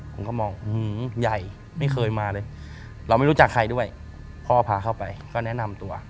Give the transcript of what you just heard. ผมก็มองใหญ่ไม่เคยมาเลยเราไม่รู้จักใครด้วยพ่อพาเข้าไปก็แนะนำตัว